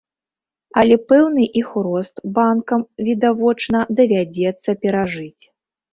Але пэўны іх рост банкам, відавочна, давядзецца перажыць.